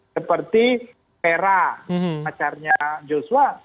seperti fera pacarnya joshua